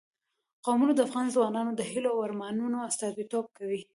قومونه د افغان ځوانانو د هیلو او ارمانونو استازیتوب کوي.